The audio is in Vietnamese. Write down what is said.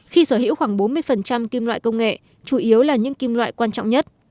khi sở hữu khoảng bốn mươi kim loại công nghệ chủ yếu là những kim loại quan trọng nhất